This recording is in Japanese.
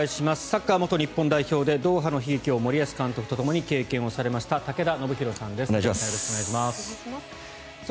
サッカー元日本代表でドーハの悲劇を森保監督とともに経験されました武田修宏さんです。